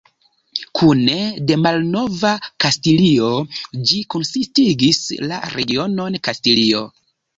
Kune de Malnova Kastilio, ĝi konsistigis la regionon Kastilio.